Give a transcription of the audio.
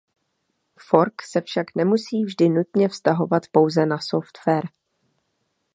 Fork se však nemusí vždy nutně vztahovat pouze na software.